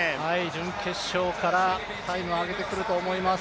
準決勝からタイムを上げてくると思います。